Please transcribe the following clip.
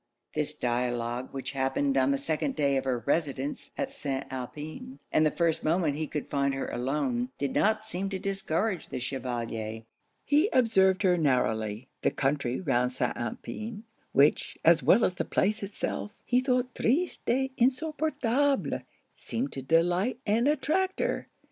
This dialogue, which happened on the second day of her residence at St. Alpin, and the first moment he could find her alone, did not seem to discourage the Chevalier. He observed her narrowly: the country round St. Alpin, which, as well as the place itself, he thought 'triste et insupportable,' seemed to delight and attract her.